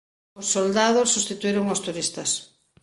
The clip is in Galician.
Os soldados substituíron aos turistas.